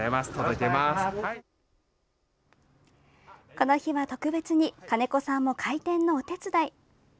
この日は特別に金子さんも開店のお手伝い。